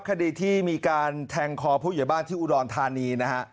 คดีที่มีการแทงคอผู้ใหญ่บ้านที่อุดรธานีนะฮะ